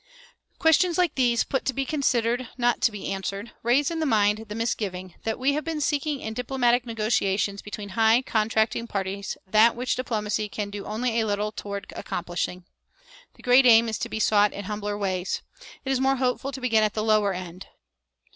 Questions like these, put to be considered, not to be answered, raise in the mind the misgiving that we have been seeking in diplomatic negotiations between high contracting parties that which diplomacy can do only a little toward accomplishing. The great aim is to be sought in humbler ways. It is more hopeful to begin at the lower end.